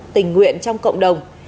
tình nguyện trong cộng đồng